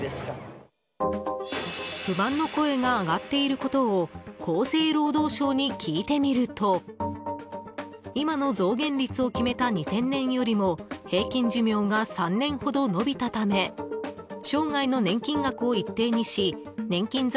不満の声が上がっていることを厚生労働省に聞いてみると今の増減率を決めた２０００年よりも平均寿命が３年ほど延びたため生涯の年金額を一定にし年金